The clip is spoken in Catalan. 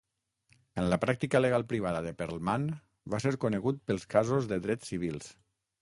En la pràctica legal privada de Perlman, va ser conegut pels casos de drets civils.